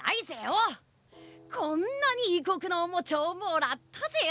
こんなにいこくのおもちゃをもらったぜよ。